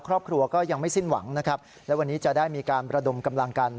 ครอบครัวก็ยังไม่สิ้นหวังนะครับและวันนี้จะได้มีการระดมกำลังกัน